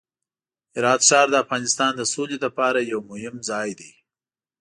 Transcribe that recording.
هرات ښار د افغانستان د سولې لپاره یو مهم ځای دی.